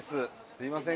すみません